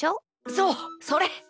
そうそれ！